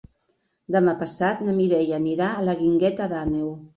Demà passat na Mireia anirà a la Guingueta d'Àneu.